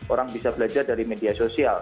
orang bisa belajar dari media sosial